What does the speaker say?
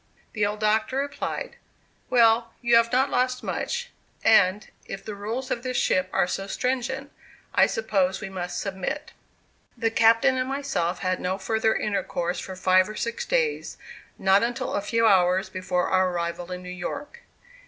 The old Doctor replied: "Well, you have not lost much; and, if the rules of this ship are so stringent, I suppose we must submit." The captain and myself had no further intercourse for five or six days; not until a few hours before our arrival in New York.